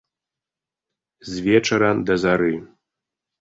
З вечара да зары.